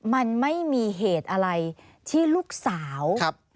มันไม่มีเหตุอะไรที่ลูกสาว